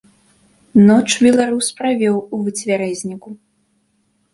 Ноч беларус правёў у выцвярэзніку.